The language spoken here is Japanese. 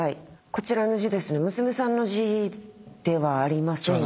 こちらの字娘さんの字ではありませんよね？